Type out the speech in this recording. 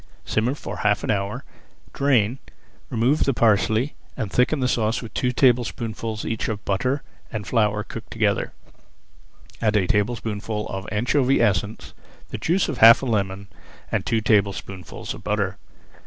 Simmer for half an hour, drain, remove the parsley and thicken the sauce with two tablespoonfuls each of butter and flour cooked together. Add a tablespoonful of anchovy essence, the juice of half a lemon, and two tablespoonfuls of butter.